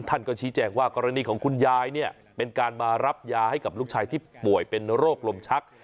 ท่านก็ชี้แจงว่ากรณีของคุณยายเนี่ยเป็นการมารับยาให้กับลูกชายที่ป่วยเป็นโรคลมชัก